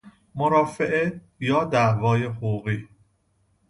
مرافعه یا دعوای حقوقی